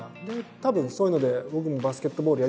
たぶんそういうので僕もバスケットボール私も。